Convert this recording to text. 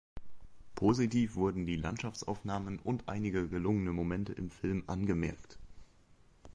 Positiv wurden die Landschaftsaufnahmen und einige gelungene Momente im Film angemerkt.